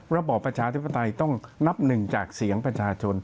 ระบอบประชาธิปไตยต้องนับหนึ่งจากเสียงประชาชน